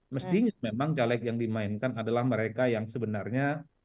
mestinya memang caleg yang dimainkan adalah mereka yang sebenarnya